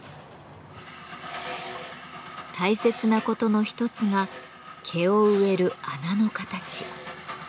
大切なことの一つが毛を植える穴の形。